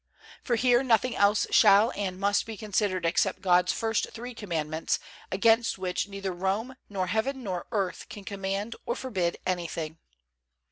For here nothing else shall and must be considered except God's first three Commandments, against which neither Rome, nor heaven nor earth can command or forbid anything.